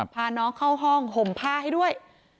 พาน้องเข้าห้องห่มผ้าให้ด้วย